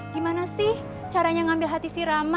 gimana sih caranya ngambil hati si rama